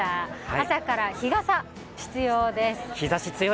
朝から日傘、必要です。